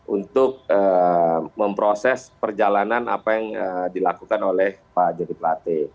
untuk memproses perjalanan apa yang dilakukan oleh pak jody plate